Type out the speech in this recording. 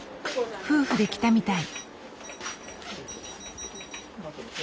夫婦で来たみたい。